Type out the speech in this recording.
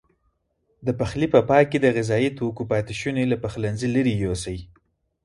د پخلي په پای کې د غذايي توکو پاتې شونې له پخلنځي لیرې یوسئ.